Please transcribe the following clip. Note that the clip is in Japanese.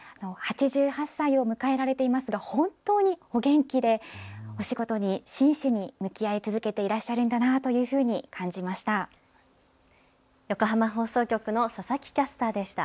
８８歳を迎えられていますが本当にお元気でお仕事に真摯に向き合い続けていらっしゃるのだなと感じました。